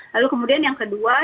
lalu kemudian yang kedua